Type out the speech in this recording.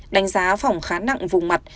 đánh giá phòng khá nặng vùng mặt